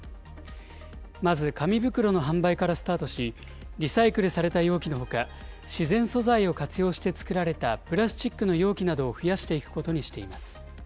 まず紙袋の販売からスタートし、リサイクルされた容器のほか、自然素材を活用して作られたプラスチックの容器などを増やしていくことにしています。